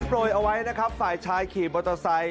โปรยไว้นะครับฝ่ายชายขี่มอโตซัย